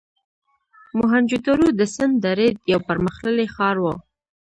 موهنچودارو د سند درې یو پرمختللی ښار و.